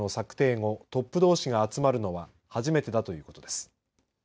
後トップどうしが集まるのは初めてだということです。